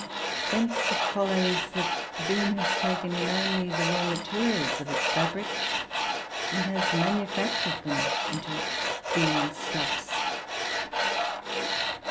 Whence it follows that the bean has taken in only the raw materials of its fabric, and has manufactured them into bean stuffs.